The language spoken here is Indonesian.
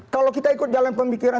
kalau kita ikut dalam pemikiran